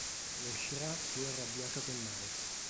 Ne uscirà più arrabbiato che mai.